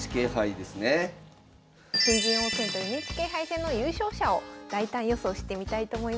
新人王戦とＮＨＫ杯戦の優勝者を大胆予想してみたいと思います。